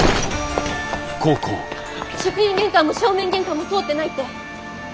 職員玄関も正面玄関も通ってないって。